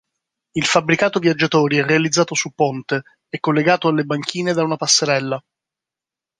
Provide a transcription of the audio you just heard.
Il fabbricato viaggiatori è realizzato su ponte, e collegato alle banchine da una passerella.